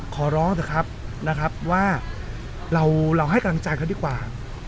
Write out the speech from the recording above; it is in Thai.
ขอร้องเถอะครับนะครับว่าเราให้กำลังใจเขาดีกว่า